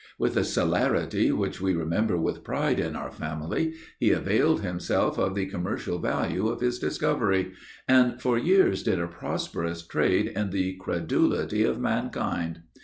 With a celerity which we remember with pride in our family, he availed himself of the commercial value of his discovery, and for years did a prosperous trade on the credulity of mankind.